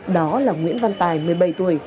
đó là nguyễn văn tài một mươi bảy tuổi